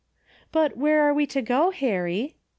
" But where are we to go, Harry